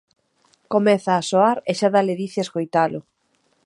Comeza a soar e xa dá ledicia escoitalo.